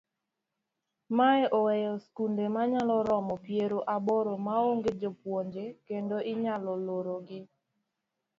Mae oweyo skunde manyalo romo piero aboro maonge jopuonje kendo inyalo lorogi.